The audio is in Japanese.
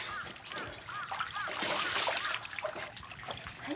はい。